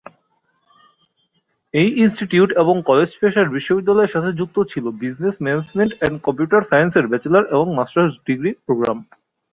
এই ইনস্টিটিউট এবং কলেজ পেশার বিশ্ববিদ্যালয়ের সাথে যুক্ত ছিল বিজনেস ম্যানেজমেন্ট অ্যান্ড কম্পিউটার সায়েন্সেসের ব্যাচেলর এবং মাস্টার্স ডিগ্রি প্রোগ্রাম।